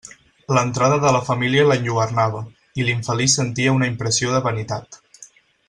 L'entrada de la família l'enlluernava, i l'infeliç sentia una impressió de vanitat.